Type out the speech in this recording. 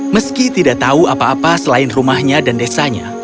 meski tidak tahu apa apa selain rumahnya dan desanya